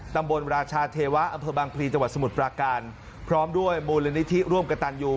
ตำบลราชาเทวะอบังพลีจสมุทรปราการพร้อมด้วยบูรณนิธิร่วมกระตันยู